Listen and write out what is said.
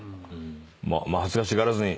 まあ恥ずかしがらずに。